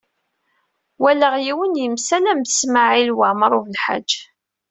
Walaɣ yiwen yemsalam d Smawil Waɛmaṛ U Belḥaǧ.